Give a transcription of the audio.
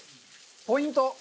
ポイント。